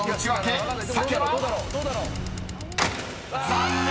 ［残念！